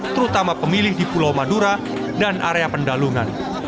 terutama pemilih di pulau madura dan area pendalungan